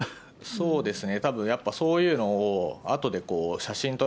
そうですね。